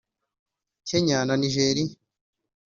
Kenya na Nigeria